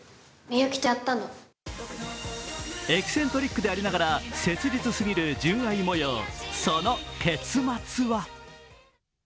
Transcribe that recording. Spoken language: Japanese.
エキセントリックでありながら切実すぎる純愛模様、その結末は？